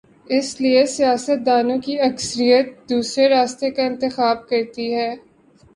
اس لیے سیاست دانوں کی اکثریت دوسرے راستے کا انتخاب کر تی ہے۔